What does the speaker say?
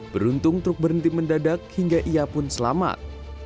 beruntung truk berhenti mendadak hingga ia pun selamat